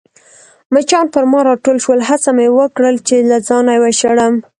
مچان پر ما راټول شول، هڅه مې وکړل چي له ځانه يې وشړم.